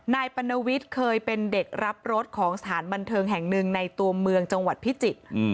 ปัณวิทย์เคยเป็นเด็กรับรถของสถานบันเทิงแห่งหนึ่งในตัวเมืองจังหวัดพิจิตร